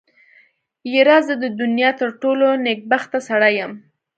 يره زه د دونيا تر ټولو نېکبخته سړی يم.